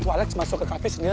tuh alec masuk ke cafe sendiri